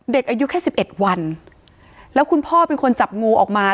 เด็กอายุแค่สิบเอ็ดวันแล้วคุณพ่อเป็นคนจับงูออกมา